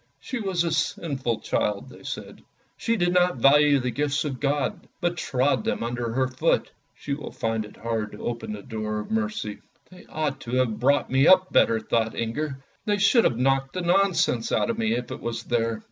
" She was a sinful child," they said. " She did not value the gifts of God, but trod them under foot. She will find it hard to open the door of mercy." "They ought to have brought me up better!" thought Inger; " they should have knocked the nonsense out of me if it was there."